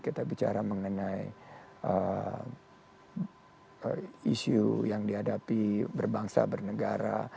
kita bicara mengenai isu yang dihadapi berbangsa bernegara